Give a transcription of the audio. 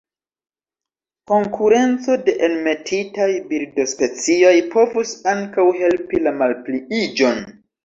Konkurenco de enmetitaj birdospecioj povus ankaŭ helpi la malpliiĝon.